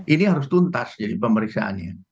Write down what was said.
ini harus tuntas jadi pemeriksaannya